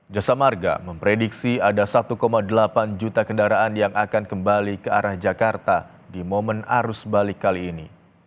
jasa marga memprediksi ada satu delapan juta kendaraan yang akan kembali ke arah jakarta di momen arus balik kali ini